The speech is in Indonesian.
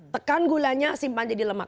tekan gulanya simpan jadi lemak